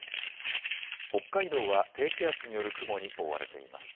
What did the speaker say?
北海道は低気圧による雲に覆われています。